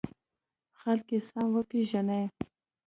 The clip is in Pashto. خلک یې سم وپېژني.